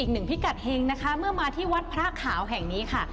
อีกหนึ่งพิกัดเฮงนะคะเมื่อมาที่วัดพระขาวแห่งนี้ค่ะ